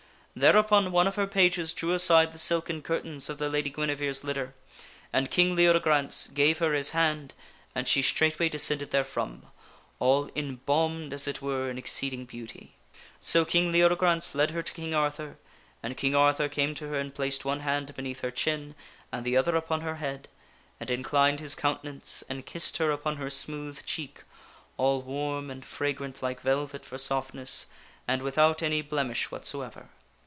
Thereupon one of her pages drew aside the silken greets the Lady curtains of the Lady Guinevere's litter, and King Leode Gmnevere grance gave her his hand and she straightway descended therefrom, all embalmed, as it were, in exceeding beauty. So King Leodegrance led her to King Arthur, and King Arthur came to her and placed one hand beneath her chin and the other upon her head and inclined his counte nance and kissed her upon her smooth cheek all warm and fragrant like velvet for softness, and without any blemish whatsoever.